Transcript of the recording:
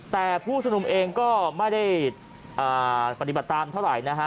แต่ผู้ชุมนุมเองก็ไม่ได้ปฏิบัติตามเท่าไหร่นะฮะ